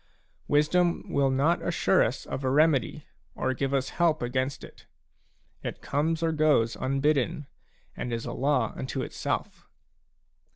Wisdom will not assure us of a remedy, or give us help against it; it comes or goes unbidden, and is a law unto itself.